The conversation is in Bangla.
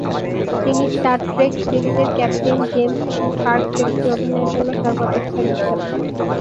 তিনি স্টার ট্রেক সিরিজের ক্যাপ্টেন জেমস টি কার্ক চরিত্রে অভিনয়ের জন্য সর্বাপেক্ষা বিখ্যাত।